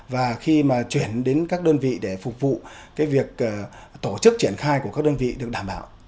và khi mà chuyển đến các đơn vị để phục vụ việc tổ chức triển khai của các đơn vị được đảm bảo